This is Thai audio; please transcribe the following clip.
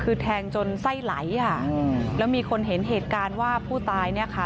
คือแทงจนไส้ไหลค่ะแล้วมีคนเห็นเหตุการณ์ว่าผู้ตายเนี่ยค่ะ